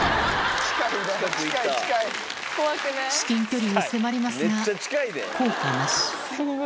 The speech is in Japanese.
至近距離に迫りますが、効果なし。